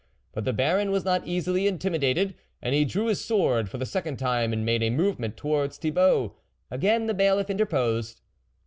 But the Baron was not easily intimidated, and he drew his sword for the second time and made a movement towards Thibault. Again the Bailiff interposed.